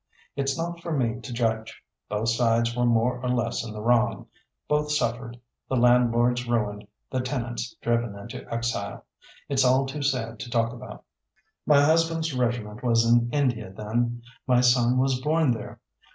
It's not for me to judge; both sides were more or less in the wrong; both suffered, the landlords ruined, the tenants driven into exile. It's all too sad to talk about. "My husband's regiment was in India then; my son was born there.